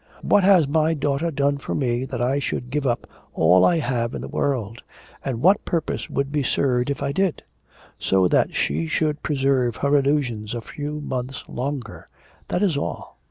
What has my daughter done for me that I should give up all I have in the world; and what purpose would be served if I did? So that she should preserve her illusions a few months longer. That is all.